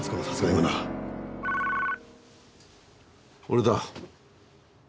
俺だ。